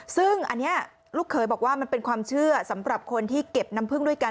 ซึ่งอันนี้ลูกเขยบอกว่ามันเป็นความเชื่อสำหรับคนที่เก็บน้ำพึ่งด้วยกัน